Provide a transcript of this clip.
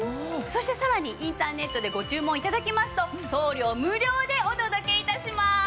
そしてさらにインターネットでご注文頂きますと送料無料でお届け致します。